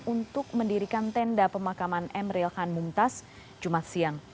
untuk mendirikan tenda pemakaman emeril khan mumtaz jumat siang